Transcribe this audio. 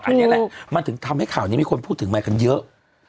อันนี้แหละมันถึงทำให้ข่าวนี้มีคนพูดถึงใหม่กันเยอะ